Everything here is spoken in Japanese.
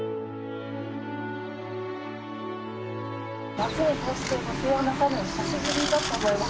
夏にこうしてご静養なさるの久しぶりだと思います。